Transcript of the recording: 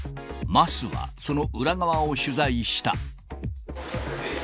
桝は、その裏側を取材した。